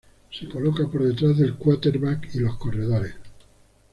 Se coloca por detrás del quarterback y los corredores.